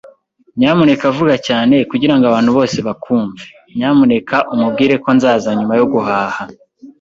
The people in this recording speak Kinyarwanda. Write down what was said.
Nyamuneka vuga cyane kugirango abantu bose bakwumve. Nyamuneka umubwire ko nzaza nyuma yo guhaha.